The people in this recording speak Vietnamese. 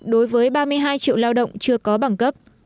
đối với ba mươi hai triệu lao động chưa có bằng cấp